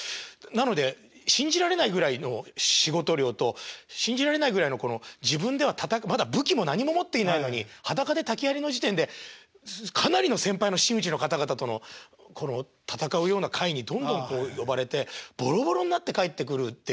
なので信じられないぐらいの仕事量と信じられないぐらいの自分ではまだ武器も何も持っていないのに裸で竹やりの時点でかなりの先輩の真打ちの方々とのこの戦うような会にどんどんこう呼ばれてボロボロになって帰ってくるっていう。